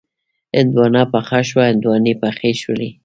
هندواڼه پخه شوه، هندواڼې پخې شولې